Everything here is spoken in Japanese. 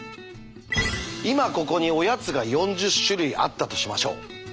今ここにおやつが４０種類あったとしましょう。